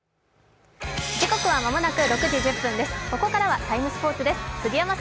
ここからは「タイムスポーツ」です。